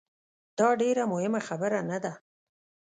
داډیره مهمه خبره نه ده